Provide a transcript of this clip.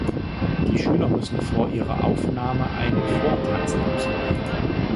Die Schüler müssen vor ihrer Aufnahme ein Vortanzen absolvieren.